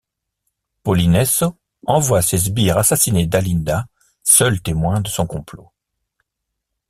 Polinesso envoie ses sbires assassiner Dalinda, seul témoin de son complot.